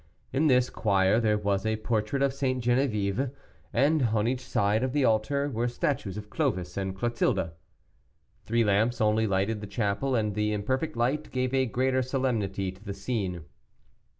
In this choir there was a portrait of St. Geneviève, and on each side of the altar were statues of Clovis and Clotilda. Three lamps only lighted the chapel, and the imperfect light gave a greater solemnity to the scene.